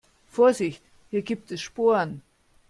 Vorsicht, hier gibt es Sporen.